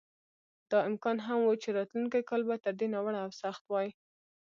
دا امکان هم و چې راتلونکی کال به تر دې ناوړه او سخت وای.